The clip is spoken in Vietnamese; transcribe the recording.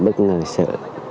em bất ngờ sợ